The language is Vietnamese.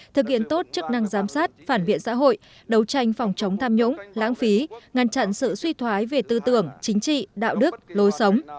thực hiện tốt chức năng giám sát phản biện xã hội đấu tranh phòng chống tham nhũng lãng phí ngăn chặn sự suy thoái về tư tưởng chính trị đạo đức lối sống